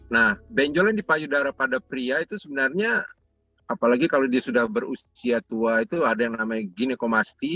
nah benjolan di payudara pada pria itu sebenarnya apalagi kalau dia sudah berusia tua itu ada yang namanya ginekomasti